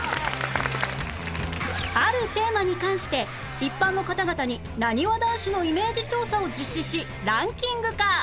あるテーマに関して一般の方々になにわ男子のイメージ調査を実施しランキング化